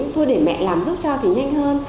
thôi để mẹ làm giúp cho thì nhanh hơn